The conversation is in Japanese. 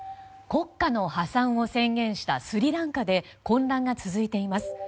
国家の破産を宣言したスリランカで混乱が続いています。